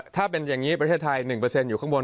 ถ้าเป็นอย่างนี้ประเทศไทย๑อยู่ข้างบน